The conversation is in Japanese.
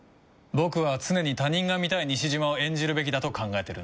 僕は常に他人が見たい西島を演じるべきだと考えてるんだ。